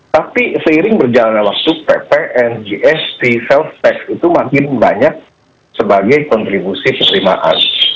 tapi seiring berjalanan waktu ppngs di self tax itu makin banyak sebagai kontribusi penerimaan